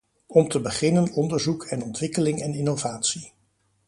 Om te beginnen onderzoek en ontwikkeling en innovatie.